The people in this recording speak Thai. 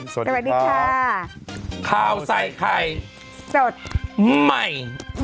สวัสดีค่ะข้าวใส่ไข่สดใหม่